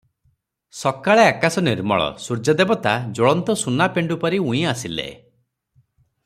ସକାଳେ ଅକାଶ ନିର୍ମଳ, ସୁର୍ଯ୍ୟଦେବତା ଜ୍ୱଳନ୍ତସୁନା ପେଣ୍ଡୁ ପରି ଉଇଁ ଆସିଲେ ।